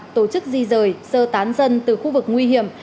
tổ chức di rời sơ tán dân từ khu vực nguy hiểm